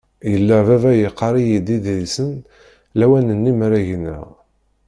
Yella baba yeqqar-iyi-d iḍrisen lawan-nni mara gneɣ.